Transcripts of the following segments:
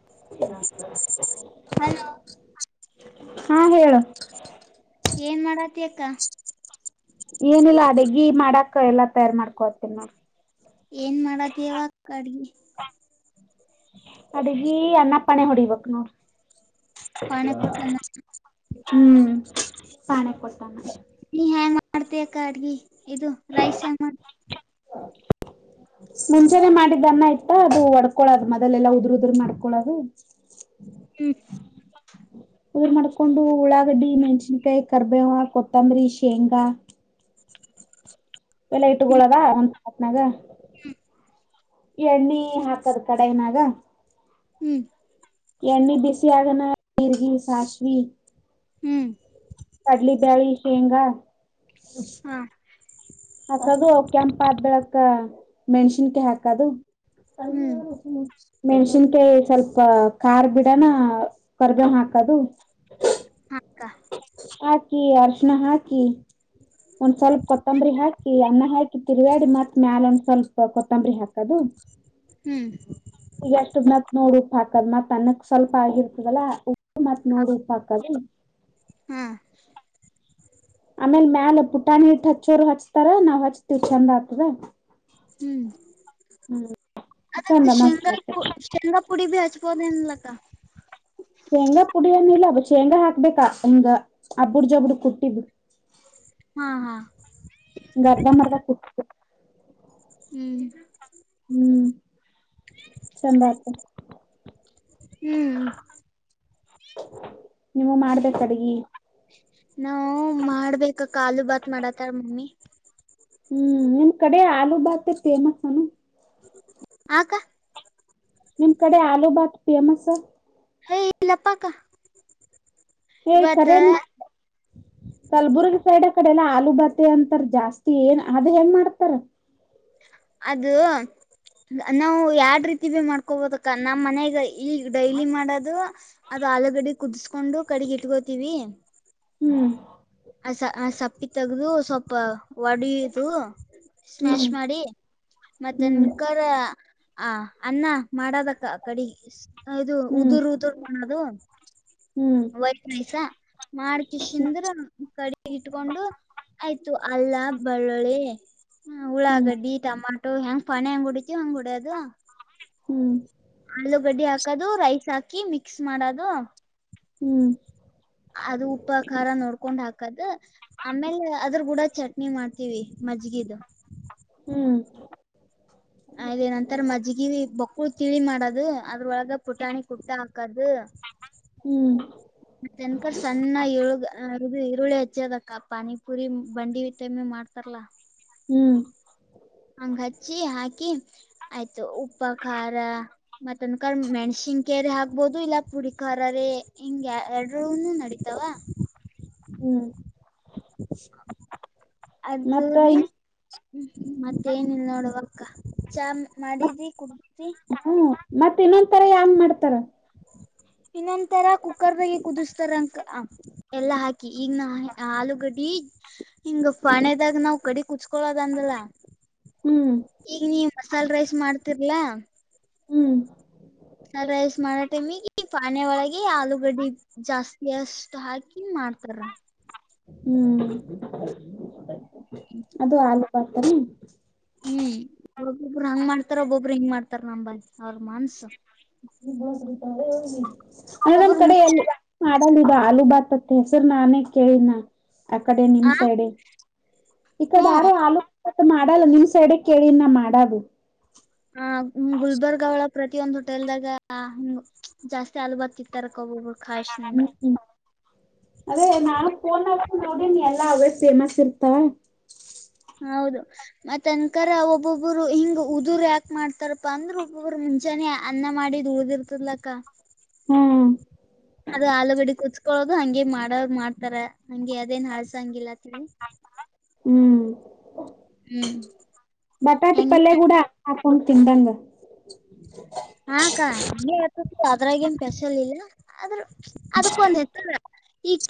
[inaudible] Hello ಹಾ ಹೇಳು ಏನ್ ಮಾಡಾತಿ ಅಕ್ಕ ಏನಿಲ್ಲ ಅಡಗಿ ಮಾಡಾಕ ಎಲ್ಲ ತಯಾರ್ ಮಾಡ್ಕೋತೀನ ನಾ ಏನ್ ಮಾಡತಿಯವ ಅಕ್ಕ ಅಡ್ಗಿ ಅಡಗಿ ಅನ್ನಪಣೆ ಹೊಡಿಬೇಕ ನೋಡ. ಪಾಣೆ ಕೊಟ್ಟನ ಹ್ಮ್ ಪಾಣೆ ಕೊಟ್ಟಾನ. ನೀ ಹೆಯಾಂಗ ಮಾಡ್ತ ಅಕ್ಕ ಅಡ್ಗಿ ಇದು ರೈಸ್ ಹೆಂಗ ಮಾಡ್. ಮುಂಜಾನೆ ಮಾಡಿದ್ದ ಅನ್ನ ಇತ ಅದು ಒಡ್ಕೊಳದು ಮೋದಲ ಎಲ್ಲಾ ಉದ್ರ ಉದ್ರ ಮಾಡ್ಕೊಳದು. ಹ್ಮ ಉದರ ಮಾಡ್ಕೊಂಡು ಉಳ್ಳಾಗಡ್ಡಿ ಮೆಣಸಿನ ಕಾಯಿ ಕರ್ಬೇವ ಕೊತ್ತಂಬರಿ ಶೇಂಗಾ. ಬೆಲ್ಲ ಹ್ಮ್ ಇಟ್ಕೊಳದ ತ್ನಾಗ ಎಣ್ಣಿ ಹಾಕದ ಕಡೈನಾಗ. ಹ್ಮ್ ಎಣ್ಣಿ ಬಿಸಿ ಆಗಣ ಜಿರಗಿ ಸಾಸಿವಿ. ಹ್ಮ್. ಕಡ್ಲಿ ಬ್ಯಾಳಿ ಶೇಂಗಾ. ಹಾ ಹಕದು ಅವು ಕೆಂಪ ಅದ ಬಳೆಕ ಮೆಣಸಿನಕಾಯಿ ಹಾಕದು. ಹ್ಮ್ [unintelligible] ನೂಶಿ. ಮೆಣಸಿನಕಾಯಿ ಸ್ವಲ್ಪ ಖಾರ್ ಬಿಡಾನ ಕರಿಬೇವು ಹಾಕದು. ಕ್ಕಾ. ಕಿ ಅರಿಶಿಣ ಹಾಕಿ. ಒಂದ್ ಸ್ವಲ್ಪ ಕೊತ್ತಂಬರಿ ಹಾಕಿ ಅನ್ನ ಹಾಕಿ ತಿರುವ್ಯಡಿ ಮತ್ ಮ್ಯಾಲ ಒಂದ್ ಸ್ವಲ್ಪ ಕೊತ್ತಂಬರಿ ಹಾಕದು. ಹ್ಮ್ ಈಗಷ್ಟದ್ ಮತ್ ನೋಡ್ ಉಪ್ಪ ಹಾಕದ್ ಮತ್ ಅನ್ನಕ್ ಸ್ವಲ್ಪ ಆಗಿರ್ತದಲ್ಲ ಉ ಮತ್ ಹಾ ನೋಡಿ ಉಪ್ಪ ಹಾಕದು. ಹಾ. ಆಮೇಲ್ ಮ್ಯಾಲ ಪುಟಾಣಿ ಹಿಟ್ಟ ಹಚ್ಚೋರು ಹಚ್ತಾರ ನಾವ್ ಹಚ್ತಿವಿ ಚಂದ ಆಗ್ತದ. ಹ್ಮ್ ಚಂದ ಅದಕ ಮಸ್ತ್ ಶೇಂಗಾ ಪು ಆಗ್ತದ ಶೇಂಗಾ ಪುಡಿ ಬಿ ಹಚ್ಚ ಬೊದ ಏನ ಇಲ್ಲ ಅಕ್ಕ. ಶೇಂಗಾ ಪುಡಿ ನಿಲ್ಲ ಶೇಂಗಾ ಹಾಕ ಬೇಕ ಹಿಂಗ ಅಬ್ಬೂರ ಜಬ್ಬೂರ ಕುಟ್ಟಿದ್ದು. ಹಾ ಹಾ. ಹಿಂಗ ಅರ್ಧ ಮರ್ದ ಕುಟ್ಟಿ ಕ. ಹ್ಮ್. ಹ್ಮ್ ಚಂದ ಆಗ್ತದ. ಹ್ಮ್. ನೀವು ಮಾಡ್ಬೇಕ ಅಡ್ಗಿ ನಾವವು ಮಾಡ ಬೇಕ್ ಅಕ್ಕ ಆಲೂ ಭಾತ್ ಮಾಡತಾಳ ಮಮ್ಮಿ. ಹ್ಮ್ ನಿಮ್ ಕಡೆ ಆಲೂ ಬಾತ್ ಫೇಮಸ್ ಅನು. ಆ ಅಕ್ಕ. ನಿಮ್ ಕಡೆ ಆಲೂ ಬಾತಾ ಫೇಮಸ್. ಹೇ ಇಲ್ಲಪ್ಪಾ ಅಕ್ಕ. ಏ ಇವತ್ತ ಕರೆ ನೀ ಕಲ್ಬುರ್ಗಿ. ಈ ಸೈಡ್ ಕಡೆ ಅಲ್ಲ ಆಲೂ ಭಾತಿ ಅಂತಾರ ಜಾಸ್ತಿ ಏನ್ ಅದ್ ಹೆಂಗ್ ಮಾಡ್ತಾರ. ಅದು. ನಾವು ಯಾರ್ಡ್ ರೀತಿ ಭೀ ಮಾಡ್ಕೊಬೋದಕ್ಕ ನಮ್ಮ್ ಮನೆಗ ಈಗ ಡೈಲಿ ಮಾಡದು ಅದ. ಆಲುಗಡಿ ಕುದಿಸಕೊಂಡು ಕಡಿಗ ಇಟ್ಕೋತೀವಿ. ಹ್ಮ್ ಆ ಸಪ್ಪಿ ತಗದು ಸ್ವಲ್ಪ. ಒಡಿದು ಸ್ಮ್ಯಾಶ್ ಹ್ಮ್ ಮಾಡಿ ಹ್ಮ್ ಮತ್ತನ್ಕರ. ಆ ಅನ್ನ ಮಾಡದಕ್ಕ ಕಡಿಗಿ ಇದು ಹ್ಮ್ ಉದುರ್ ಉದುರ್ ಮಾಡೋದು. ಹ್ಮ್ ವೈಟ್ ರೈಸ್ ಸಾ ಮಾಡಿ ಕೇಸಿಂದ್ರ. ಮಾಡಿ ಇಟ್ಕೊಂಡು ಆಯ್ತು ಅಲ್ಲ ಬೆಳ್ಳುಳ್ಳಿ ಹ್ಮ್ ಉುಳ್ಳಾಗಡ್ಡಿ ಟಮಾ ಹೆಂಗ್ ಪಣೆ ಹೆಂಗ್ ಹೊಡಿತವಿ ಹಂಗ್ ಹೊಡಿಯೋದು. ಹ್ಮ್. ಆಲೂಗಡ್ಡೆ ಹಾಕದು ರೈಸ್ ಹಾಕಿ ಮಿಕ್ಸ್ ಮಾಡೋದು. ಹ್ಮ್. ಅದು ಉಪ್ಪ ಆ ಖಾರ ನೋಡ್ಕೊಂಡ್ ಹಾಕದು ಆಮೇಲೆ ಅದ್ರ ಕೂಡ ಚಟ್ನಿ ಮಾಡ್ತೀವಿ. ಮಜ್ಗಿದು. ಹ್ಮ್. ಅದ ಏನ ನಂತರ ಮಜ್ಗಿ ಬೊಕ್ಕಳು ತಿಳಿ ಮಾಡದು ಅದ್ರೊಳಗ. ಪುಟಾಣಿ ಕುಟ್ಟ ಹಕದು. ಹ್ಮ್ ಹ್ಮ್ ಮತ ಏನ ಅಕ್ಕ ಸಣ್ಣ ಏಳುಗ ಆ ಇದು ಈರುಳ್ಳಿ ಹಚ್ಚಿದ ಅಕ್ಕ ಪಾನಿಪುರಿ ಬಂಡಿ ಟೈಮ್ ನ್ಯಾಗ ಮಾಡ್ತಾರಲ್ಲ. ಹ್ಮ್. ಹಂಗ ಹಚ್ಚಿ ಹಾಕಿ ಆಯ್ತು ಉಪ್ಪ ಖಾರ ಮತ್ತೊಂದ ಕಾಳ ಮೆಣಸಿ ಹಂಗ ಕೇರಿ ಹಾಕ್ಬೋದು ಇಲ್ಲ ಪುಡಿ ಖಾರರೆ ಹಿಂಗ ಎರಡನು ನಡತಾವ. ಹ್ಮ್. ಅದು ಮತ್ತ ನೀ ಇನ್ ಹ್ಮ್ ಮತ್ತೇಏನಿಲ್ಲ ನೋಡುವಕ್ಕ ಚಾ ಮಾಡಿದ್ರಿ ಕುಡದಿ ಮತ್ತತ್ ಇನ್ನೊಂದ ತರಾ ಯಂಗ ಮಾಡ್ತಾರ ಹ ಇನ್ನೊಂತರ ಕುಕ್ಕರ್ದಾಗಗೆ ಕುದಿಸತಾರಂಕ ಎಲ್ಲಾ ಹಾಕಿ ಈಗ ನ ಆಲೂಗಡ್ಡಿ ಹಿಂಗ ಪಾಣೆದಾಗ ನಾವ್ ಕಡೆ ಕುಚ್ಕ ಕಳೋದಂದಲ ಹ್ಮ್ ಈಗ ನೀವ ಮಸಾಲೆ ರೈಸ್ ಮಾಡ್ತಿರ್ಲಾ ಹ್ಮ್ ರೈಸ್ ಮಾಡೋ ಟೈಮಿಗೆ ಪಾನಿಯ ಒಳಗೆ ಆಲೂಗಡ್ಡಿ ಜಾಸ್ತಿ ಎಷ್ಟ್ ಹಾಕಿ ಮಾಡ್ತಾರ ಹ್ಮ್ ಅದು ಆಲ ಪಾತ್ರನ ಹ್ಮ್ ಒಬ್ಬೊಬರು ಹಂಗ್ ಮಾಡ್ತಾರ ಒಬ್ಬೊಬ್ಬರು ಹಿಂಗ್ ಮಾಡ್ತಾರ ನಮ್ಮಂಬಿ ಅವ್ರ ಮನ್ಸು ಅೆ ನಮ್ಮ್ ಒಬ್ಬೊಬ್ರು ಕಡೆ ಎ ಆಲಲು ಬಾತತ್ತೆ ಹೆ ಸರ್ ನಾನೇ ಕೇಳಿನ ಅ ಕಡೆ ಹಾ ನಿಮ್ ಸೈಡೆ ಈಕಡೆ ಹ್ಮ ಯಾರು ಆಲೋ ಬಾತ್ ಮಾಡ ಮಾಡಲ್ಲ ನಿಮ್ ಸೈಡೆ ಕೇಳಿನ ಮಾಡದು ಹ ಗುಲ್ಬರ್ಗ ಅವಳ ಪ್ರತಿಯೊಂದುಹೋಟೆಲ್ದಾಗ ಜಾಸ್ತಿ ಹಲು ಬರ್ತಿತ್ತರ್ ಕಬಬ ಅದೇ ನಾಳೆನ ನೋಡನ್ ಎಲ್ಲಾ ಅವೇ ಫೇಮಸ್ ಇರ್ತಾವ ಹೌದು ಮತ್ತ ತನ್ಕರ ಒಬ್ಬೊಬ್ಬರು ಹಿಂಗ ಉದುರು ಯಾಕೆ ಮಾಡ್ತಾರಪ್ಪಾ ಅಂದ್ರೆ ಒಬ್ಬೊಬ್ಬರು ಮುಂಜಾನೆ ಅನ್ನ ಮಾಡ ಉಳ್ದಿರ್ತದ್ಲಕ್ಕ ಹ್ಮ್ ಅದು ಆಲಗಡಿ ಕೋದಾಸ್ಕೋಳೂದು ದು ಹಗೆ ಮಾಡ ಮಾಡ್ತಾರ ಹಂಗೆ ಅವದೇನ್ ಹಳ್ಸ ಹಂಗಿಲ್ಲ ಅಂತ ಹೇಳಿ ಹ್ಮ್ ಬಟಾಟಿ ಪಲ್ಲಯ ಹೆಂಗ ಗುಡ ತಿಂಡಂಗ ಹಾಕ್ಕ ಆದ್ರೂ ಅದಕ್ಕೊಂದ್ ಹೆತ್ತ ಈಕ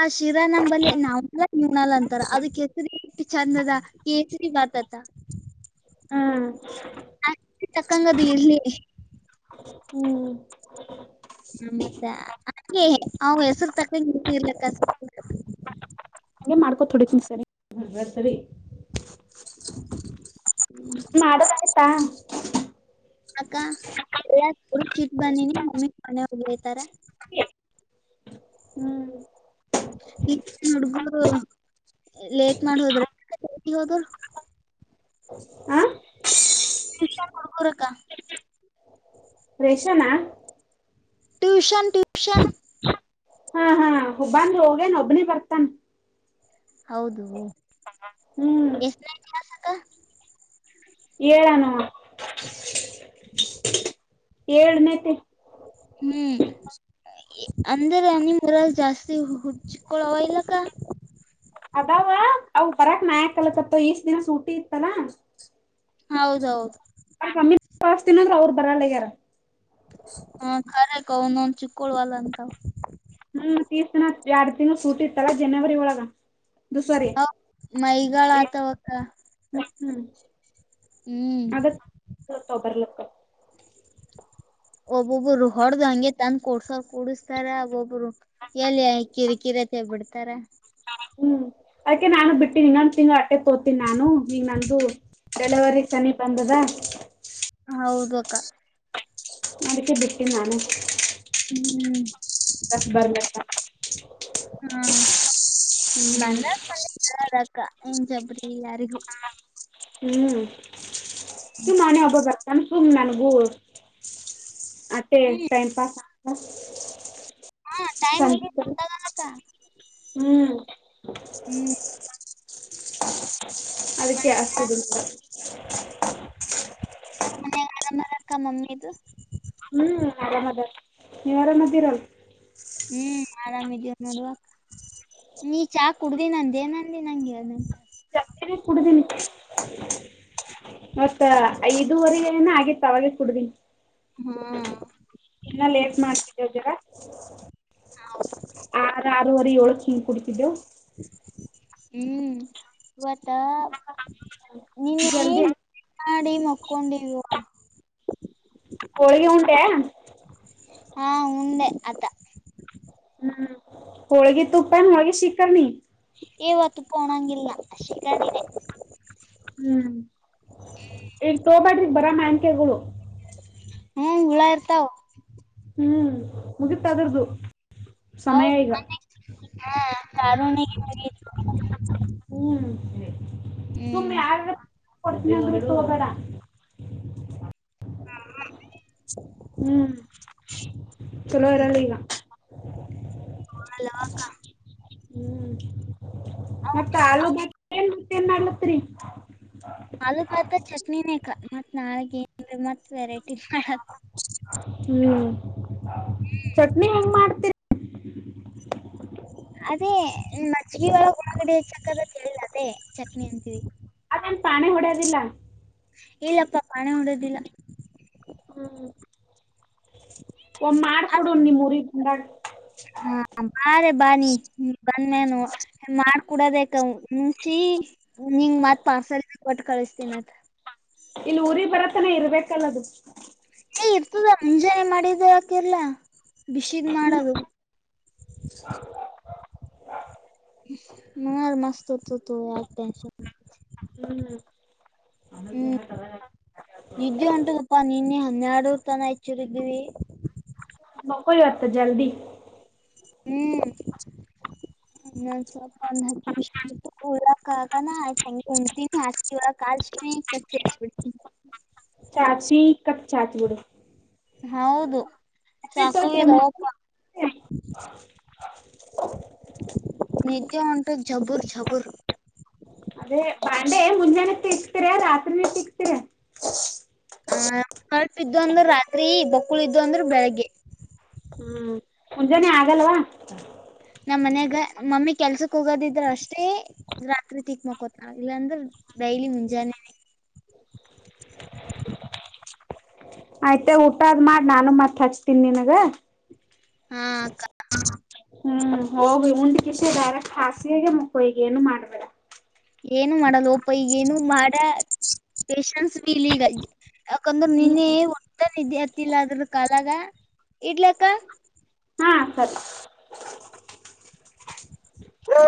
ಆ ಶಿರಾ ನಂಬಲ್ಲಿ ನಮ್ಮಲ್ಲ ನೂಣಲ್ಲ ಅಂತಾರ ಅದಕ್ಕೆ ಹೆಸರಿಟ್ಟ ಚೆಂದದ ಕಸರಿ ಬತತ ಹ್ಮ ನಾ ತಕ್ಕಂಗದ ಇರ್ಲಿ ಹ್ಮ್ ಹ ಮತ್ತೆ ಹಾಗೆ ಅವ ಹೆಸರು ತಕಲಿ ಇರ್ಲಕ್ಕ ಹ್ರ ಸರಿ ಮಾಡದ ಆಯ್ತಾ ಅಕ್ಕ ಎಲ್ಲ ಚಿಟ್ ಬಂದಿನಿ ಮಮ್ಮಿ ಮನೆ ಹೋಗಲೇತಾರ ಹ್ಮ್ ಈ ಹುಡ್ಗು ಲೇಕ್ ಮಾಡ ಹೋದ್ರ ಹೋದ್ರ ಆ ಟಷನ್ ಕೊಡ್ಕರಕ್ಕ ರೇಷ್ಮನಾ ಟ್ಯೂಷನ್ ಟ್ಯೂಷನ್ ಹ ಹಬ್ಬಾಂದ ಹೋಗೇನ್ ಒಬ್ನೇ ಬರ್ತಾನ ಹೌದು ಹ್ಮ್ ಎಷ್ಟತಿಾಸಕ ಏನು ಏಳ್ನೇತಿ ಹ್ಮ್ ಅಂದರೆ ಅನಿಮರ ಜಾಸ್ತಿ ಹುಡ್ಚಕಳ ಇಲ್ಲ ಕ ಅದಾವ ಅವ ಬರಕ್ ನಯಕ್ ಕಲಕತ್ತ ಇಷ್ಟ ದಿನಸ ಊಟಿ ಇತ್ತಲ ಹೌದೌದು ಮ್ಮಿಸ್ತನಂದ್ರ ಅವ್ರು ಬರಲ್ಲಗ್ಯಾರ ಹ ಖರೆ ಕೌ ನನ್ ಚಿಕ್ಕಳ್ ವಲ್ಲ ಅಂತ ನ ತೀರ್ತಿನ ಎರಡು ತಿಂಗಳು ಕೂಟ್ಟಿರ್ತಾರ ಜನವರಿ ಒಳಗ ದದುಸರಿ ಅವ ಮೈಗಳ ಆತವಕ್ಕ ಹ್ಮ ಹ್ಮ್ ತೊಬರ್ಲಕ್ಕ ಒಬ್ಬೊಬ್ರು ಹೊಡ್ದ ಹಂಗೆ ತಂದ ಕೊಡ್ಸ ಕುೂಡಸ್ತಾರ ಒಬ್ಬೊಬ್ರು ಎಲ್ಲಿ ಕಿಕಿ ತೆ ಬಿಡ್ತಾರಾ ಹ್ಮ್ ಅದಕಕ್ಕೆ ನಾನು ಬಿಟ್ಟೀನಿ ಇನ್ನೊಂದು ತಿಂಗಗಳು ಅಟ್ಟೆ ತೋತೀನಿ ನಾನು ನೀಂಗ ನಂದು ಡೆಲವರಿ ಸನಿಪ್ ಬಂದದಾ ಹೌದು ಅಕ್ಕ ನದಕ್ಕೆ ಬಿಟ್ಟಿನಾನ ಹ್ಮ್ ಬರ್ಲ ಹ್ಮ ಬಂದಾಗ ಮಿದ ಅಾ ಏನ್ ಜಬರಿಲ್ಲ ಅರಿಗೂ ಹ್ಮ್ ಸುನೆೇ ಒಬ್ಬ ಬರ್ತಾನ ಸುಮ್ಮ್ ನನಗೂ ಅತ್ತೇ ಟೈಮ್ ಪಾಸ್ ಆ ಹಾ ಟೈಮ್ ಸಂ ಮುಗಿತ್ ಗೊತ್ತಾಗಲ್ಲಕ್ಕ ಹ್ಮ್ ಹ್ಮ್ ಅದಕ್ಕೆ ಆಸುದ ಮರಕ್ಕ ಮಮ್ಮಿದು ಹ್ಮ್ ಆರಾಮ್ ಅದ ನೀವ್ ಆರಾಮದಿರಲ್ ಆರಾಮ್ ಇದೇ ನೋಡುವ ನೀ ಚಾ ಕುಡ್ದಿ ನಂದೇ ನ ನಂಗೆಂತ ಕುಡಿದೀನಿ ಮತ್ತ ಐದುವರೆ ಏನ ಆಗಿತ್ತ ಅವಾಗೆ ಕುಡುದನ್ ಹಾ ಇನ್ನ ಲೇಟ್ ಮಾಡ್ತಿದದಿರ ಆರ ಆರವರೆ ಏಳಕ್ಕೆ ಹಂ ಕುಡ್ತಿದ್ದೆವು ಹ್ಮ್ ಇ ಮತ್ತ ನೀನ್ನೇ ಜಲ್ದಿ ಮಾಡಿ ಮಕ್ಕೊಂಡಿಲ್ವಾ ಕೊಳಿಗೆಿ ಹಟಾ ಹಾ ಉಂದೆ ಅಕ್ಕ ಹ್ಮ್ ಹೋಳಗಿ ತುಪ್ಪನ್ ಹೋಳಗಿ ಶಿಕರ್ನಿ ಇವತ್ತು ಕೋಣಂಗಿಲ್ಲ ಶ ಗಡಿಗೆ ಹ್ಮ್ ಈಗ ತೋಬಾಡ್ರಿಗ್ ಬರಾ ಮ್ಯಾನ್ಕಗಳು ಹ್ಮ್ ಹುಳಾ ಇರ್ತಾವ ಹ್ಮ್ ಮುಗತದ್ರ್ದು ಸಮಯ ಹೌದ ಈಗ ಹ ಹ್ಮ ಸುಮ್ಮ್ ಹ್ಮ್ ಯಡ್ ಬಿಟ್ಟು ಹೋಗೋಡ ಹಾ ಹಾ ಹ್ಮ್ ಚಲೋರಲ್ಲ ಈಗ ಹಲ್ಲಕ ಹ್ಮ್ ಮತ್ತತ್ ಆಲೂ ಬ ಏನ್ ಮತ್ತ ಏನ್ ಮಾಡ್ಲತ್ರಿ ಕಾಲು ಪಾತ ಚಟ್ನಿನೇಕ ಮತ್ ನಾಳಗ ಮತ್ ವೆರೈಟಿ ಮಾಡ ಹ್ಮ್ ಚಟ್ನಿ ಹೆಂಗ್ ಮಾಡ್ತೀರಿ ಅದೇ ಮಜ್ಗಿ ಒಳ ಒಳಗಡೆ ಚಕ್ಕದ ಕೇಳಿಲ್ಲ ಅದೇ ಚಟ್ನಿ ಅಂತೀವಿ ಪಾಣ ಹೊಡ ದಲ್ಲಾ ಇಲ್ಲಪ್ಪಾ ಪಾಣ ಹೊಡದಿಲ್ಲ ಹ್ಮ್ ಒ ಮಾಡ್ಕೊಡಣ ನಿಮ್ ರಿ ಹಾ ಬಾರೆ ಬಾನಿ್ಮ ಬಂದ್ಮೇನು ಮಾಡಕೂಡೋದ ಮುಂಚೆ ನಿಂಗ ಮತ್ ಪಾರ್ಸೆಲ್ ಒಟ್ಟು ಕಳಿಸತೀನತ್ ಇಲ್ಲಿ ಊರಿಗೆ ಬರತನೇ ಇರ್ಬೇಕಲ್ಲದು ಏ ಇರ್ತದ ಮುಂಜಾನೆ ಮಾಡಿದ್ದ ಆಕೆಲ್ಲ ಬಿಸಿದ ಹ್ಮ್ ಮಾಡದು ನ ಮಸ್ತತು ಯಗ ಟೆನ್ ಹ್ಮ್ ಹ್ಮ್ ನಿಿದ್ದೆ ಉಂಟದಪ್ಪಾ ನೀನ್ನೇ ಹನ್ಯಾಡುೂರ್ ತಾನ ಆಚ್ಚೂರ ಇದ್ವಿ ಮಕ್ಕ ಹೊತ್ತು ಜಲ್ದಿ ಹ್ಮ್ ಹ ಸ ಪ ನಿಷ ಕ ಉಟ ಆಷ್ಟ ಕವ ಕಲ್ ಅಷ್ಟೇ ಕಷ್ಟಬ ಚಾಚಿ ಕಟ್ಟ ಚಾಚಗಡ ಹೌದು ಸಾಕಪ ನಿಜ ಉಂಟು ಜಬುರ್ ಜಬುರ್ ಅದೇ ಬಾಂಡೆ ಮುಂಜಾನೆ ಸಿಕ್ತೀರ ರಾತ್ರಿ ಸಿಕ್ತೀರ ಬಕ್ಕುಳ ಇದು ಅಂದ್ರೆ ಬೆಳಿಗ್ಗೆ ಹ್ಮ್ ಮುಂಜಾನೆ ಆಗಲ್ವಾ ನಮ್ಮ್ ಮನ್ಯಾಗ ಮಮ್ಮಿ ಕೆಲ್ಸಕ್ ಹೋಗೋದಿದ್ರ ಅಷ್ಟೇ ರಾತ್ರಿ ತಿಕ್ ಮಕೋತ ಇಲ್ಲಾಂದ್ರ ಡೈಲಿ ಮುಂಜಾನೆ ಆಯ್ತ ಊಟದ್ ಮಾಡಿ ನಾನು ಮತ್ತ್ ಹಚ್ತೀನಿ ನಿನಗ ಹಾ ಹ ಅಕ್ಕ ಹ್ಮ್ ಹೋಗಿ ಉಂಡಿಕಿಸಿರೆಕ್ಟ್ ಹಾಸಿಗೆ ಮುಕ್ಕಗೆ ಏನು ಮಾಡ್ಬೇಡ ಏನು ಮಾಡಲ್ಲ ಓಪ ಈಗ ಏನು ಮಾಡ ಪೇಶನ್ಸ್ ಭ ಇಲ್ಲ ಈಗ ಯಾಕಂದ್ರೆ ನೀನ್ನೇ ಹ್ಮ್ ಹೊಟ ವಿದ್ಯಾರ್ಥಲ್ಲ ಅದ್ರ ಕಾಲಾಗ ಇಡ್ಲಕ್ಕ ಹಾ ಸರಿ ಹ